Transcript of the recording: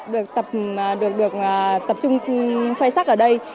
được tập trung khoai sắc ở đây